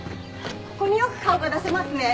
ここによく顔が出せますね。